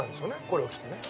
これを着てね。